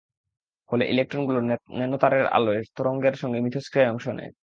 ফলে ইলেকট্রনগুলো ন্যানোতারের আলোক তরঙ্গের সঙ্গে মিথস্ক্রিয়ায় অংশ নেয়।